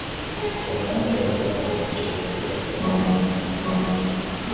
Wanawake walikuwa wakisherehekea kwa nyimbo